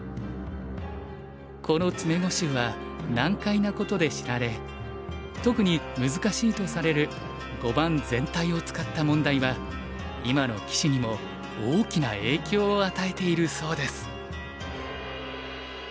この詰碁集は難解なことで知られ特に難しいとされる碁盤全体を使った問題は今の棋士にも大きな影響を与えているそうです。